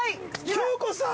◆京子さん！